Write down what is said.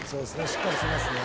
しっかりしますね。